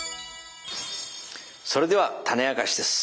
それではタネあかしです。